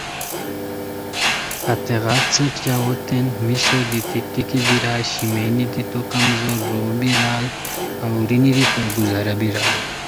ہتیغار څیق ژاؤتین میسو دیتی ٹیکی بیرائے شیمینی دی تو کمزور رو بیرائے، اورینی دی تو گزارہ بیرائے